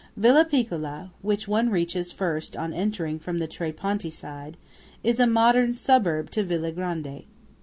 Villa Piccola, which one reaches first on entering from the Tre Ponti side, is a modern suburb to Villa Grande.